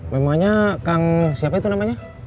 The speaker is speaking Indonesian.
memangnya kang siapa itu namanya